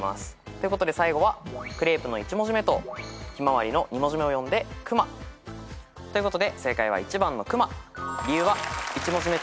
ということで最後はクレープの１文字目とひまわりの２文字目を読んで「くま」ということで正解は１番のくま。